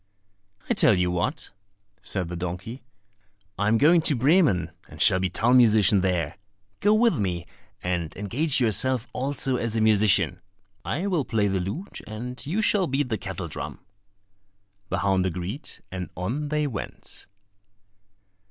"I tell you what," said the donkey, "I am going to Bremen, and shall be town musician there; go with me and engage yourself also as a musician. I will play the lute, and you shall beat the kettledrum." The hound agreed, and on they went.